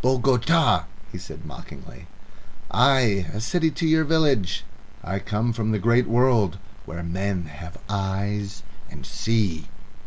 "Bogota!" he said mockingly. "Ay! A city to your village. I come from the great world where men have eyes and see."